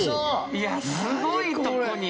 いやすごいとこに。